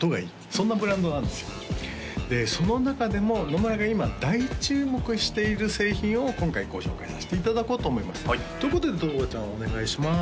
そんなブランドなんですよでその中でも野村が今大注目している製品を今回ご紹介さしていただこうと思いますということで十和子ちゃんお願いします